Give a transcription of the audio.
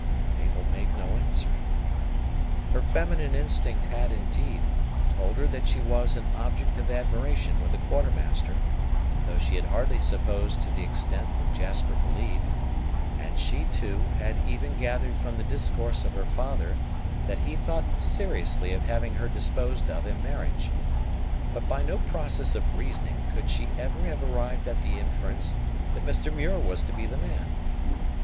_" Mabel made no answer. Her feminine instinct had, indeed, told her that she was an object of admiration with the Quartermaster; though she had hardly supposed to the extent that Jasper believed; and she, too, had even gathered from the discourse of her father that he thought seriously of having her disposed of in marriage; but by no process of reasoning could she ever have arrived at the inference that Mr. Muir was to be the man.